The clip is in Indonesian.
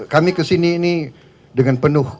kami kesini ini dengan penuh